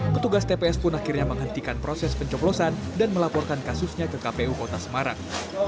petugas tps pun akhirnya menghentikan proses pencoplosan dan melaporkan kasusnya ke kpu kota semarang